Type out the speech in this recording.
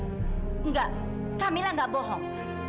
tidak kamila tidak bohong